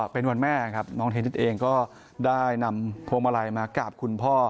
เป็นวันแม่ครับน้องเทนนิสเองก็ได้นำพวงมาลัยมากราบคุณพ่อ